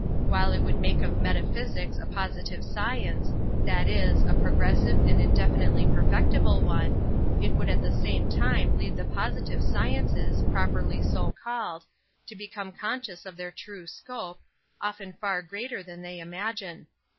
While it would make of metaphysics a positive Bcience— that is, a progressive and indel nitely perfectil)le one — it would at the time lead the positive sciences, properly so called, to become conscious of their true scope, often far greater than they imagine.